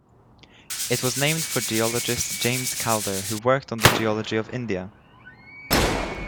It was named for geologist James Calder who worked on the geology of India.